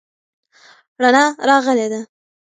رڼا راغلې ده.